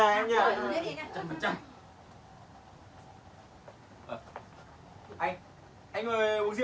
đi cả ngày về